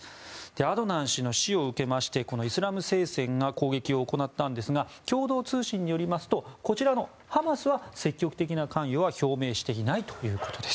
アドナン氏の死を受けましてこのイスラム聖戦が攻撃を行ったんですが共同通信によりますとこちらのハマスは積極的な関与は表明していないということです。